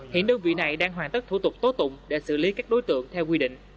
hiện đơn vị này đang hoàn tất thủ tục tố tụng để xử lý các đối tượng theo quy định